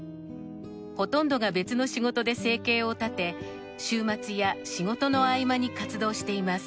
ほとんどが別の仕事で生計を立て週末や仕事の合間に活動しています。